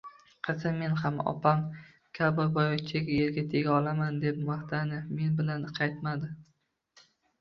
Qizim Men ham opam kabi boyvachchaga erga tega olaman, deb maqtandi, men bilan qaytmadi